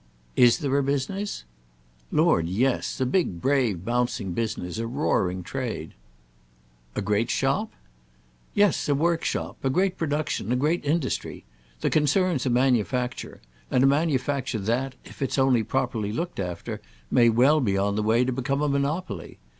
"Is there a business?" "Lord, yes—a big brave bouncing business. A roaring trade." "A great shop?" "Yes—a workshop; a great production, a great industry. The concern's a manufacture—and a manufacture that, if it's only properly looked after, may well be on the way to become a monopoly.